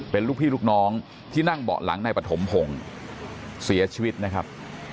เป็นลูกพี่ลูกน้องที่นั่งเบาะหลังนายปฐมพงศ์เสียชีวิตนะครับ